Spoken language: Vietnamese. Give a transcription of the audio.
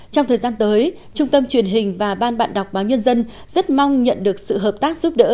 trong thời gian tới trung tâm truyền hình và ban bạn đọc báo nhân dân rất mong nhận được sự hợp tác giúp đỡ